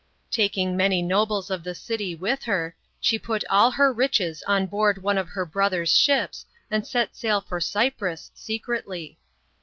Taking many nobles of the city with her, she put all her riches on board one of her brother's shipo and set sail for Cyprus secretly.